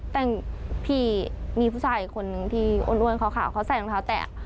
แต่งพี่มีผู้ชายอีกคนนึงที่อ้วนขาวเขาใส่รองเท้าแตะ